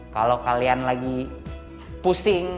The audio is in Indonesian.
kalau kalian lagi pusing